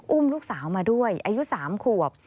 อุ้มลูกสาวมาด้วยอายุ๓ขวบ